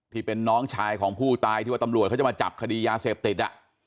ที่เป็นน้องชายของผู้ตายที่ว่าตำรวจเขาจะมาจับคดียาเสพติด